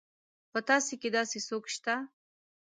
په تاسي کې داسې څوک شته.